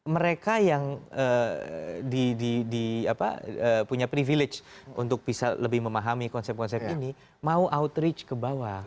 mereka yang punya privilege untuk bisa lebih memahami konsep konsep ini mau outreach ke bawah